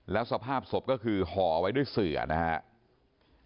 แล้วสภาพศพก็คือห่อไว้ด้วยเสือนะครับ